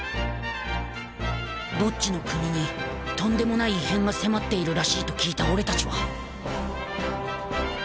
［ボッジの国にとんでもない異変が迫っているらしいと聞いた俺たちは］